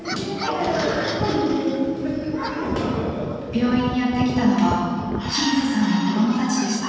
病院にやって来たのは清水さんの子どもたちでした。